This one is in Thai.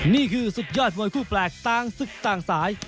นี่คือสุดยอดมวยคู่แปลกต่างศึกต่างสาย